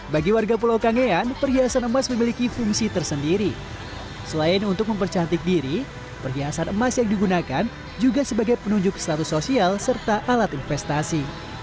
bagi warga pulau kangean perhiasan emas memiliki fungsi tersendiri selain untuk mempercantik diri perhiasan emas yang digunakan juga sebagai penunjuk status sosial serta alat investasi